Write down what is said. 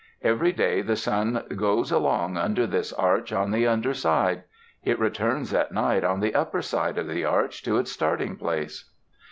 Every day the sun goes along under this arch on the under side; it returns at night on the upper side of the arch to its starting place.